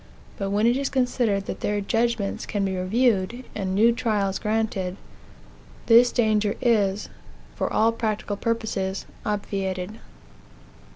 But when it is considered that their judgments can be reviewed, and new trials granted, this danger is, for all practical purposes, obviated.